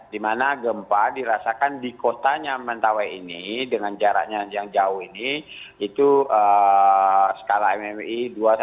di mana gempa dirasakan di kotanya mentawai ini dengan jaraknya yang jauh ini itu skala mmi dua satu